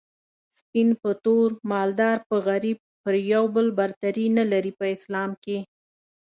سپين په تور مالدار په غريب پر يو بل برتري نلري په اسلام کي